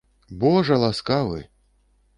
Божа ласкавы!..